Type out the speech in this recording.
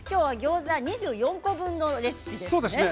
今日はギョーザ２４個分のレシピです。